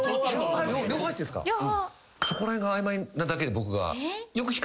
そこら辺が曖昧なだけで僕が。